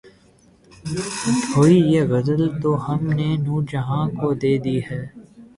بھئی یہ غزل تو ہم نے نور جہاں کو دے دی ہے